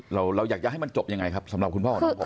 เราอยากจะให้มันจบยังไงครับสำหรับคุณพ่อของน้องผม